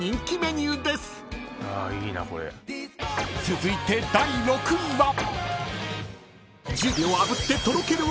［続いて第６位は］